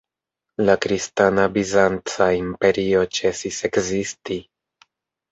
La kristana Bizanca imperio ĉesis ekzisti.